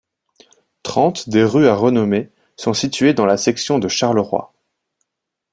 Trente des rues à renommer sont situées dans la section de Charleroi.